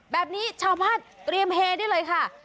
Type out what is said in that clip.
แบบนี้ชาวบ้านเตรียมเฮได้เลยค่ะ